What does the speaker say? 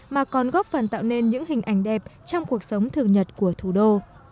mà còn góp phần tạo nên những hình ảnh đẹp trong cuộc sống thường nhật của thủ đô